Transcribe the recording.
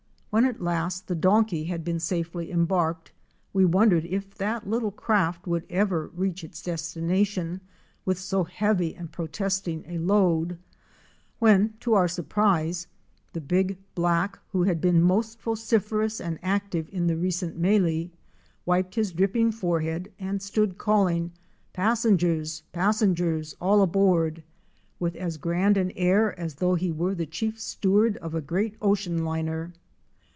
When at last the donkey had been safely embarked we wondered if that little craft would ever reach its destination, with so heavy and protesting a load: when to our surprise the big black, who had been most vociferous and active in the recent mélée, wiped his dripping forehead and stood calling ' Possengers! Pos sengers! all aboad''! with as grand an air as though he were the chief steward on a great ocean liner.